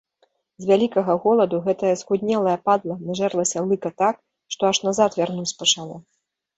З вялікага голаду гэтая схуднелая падла нажэрлася лыка так, што аж назад вярнуць пачало.